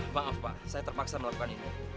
maaf pak saya terpaksa melakukan ini